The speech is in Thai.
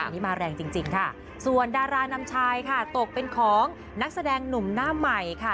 อันนี้มาแรงจริงค่ะส่วนดารานำชายค่ะตกเป็นของนักแสดงหนุ่มหน้าใหม่ค่ะ